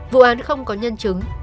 vụ án không có nhân chứng